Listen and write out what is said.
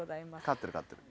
勝ってる勝ってる。